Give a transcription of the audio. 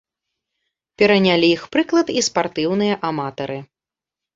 Перанялі іх прыклад і спартыўныя аматары.